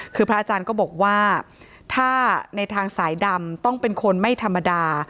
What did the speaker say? คือพระอาจารย์ก็บอกว่าถ้าในทางสายดำต้องเป็นคนไม่ธรรมดา